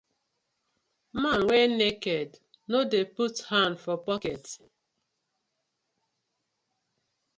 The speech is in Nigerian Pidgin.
Man wey naked no dey put hand for pocket:.